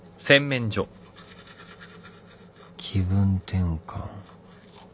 気分転換